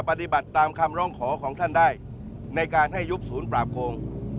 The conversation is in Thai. ปฏิบัติตามคำร้องขอของท่านได้ในการให้ยุบศูนย์ปราบโกง